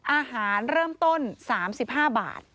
อาหารเริ่มต้น๓๕บาท